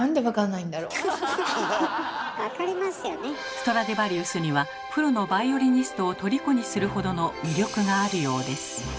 ストラディヴァリウスにはプロのバイオリニストをとりこにするほどの魅力があるようです。